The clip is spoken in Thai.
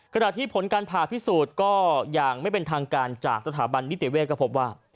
ขณะที่ผลการผ่าพิสูจน์ก็อย่างไม่เป็นทางการจากสถาบันนิติเวศก็พบว่า